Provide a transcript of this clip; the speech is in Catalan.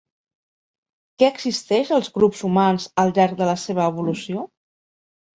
Què existeix als grups humans al llarg de la seva evolució?